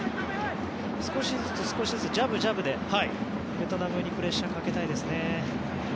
少しずつ少しずつジャブ、ジャブでベトナムにプレッシャーをかけたいですね。